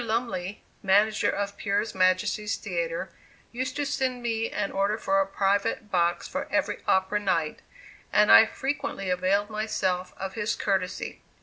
Lumley, manager of Pier Majesty's Theatre, used to send me an order for a private box for every opera night, and I frequently availed myself of his courtesy.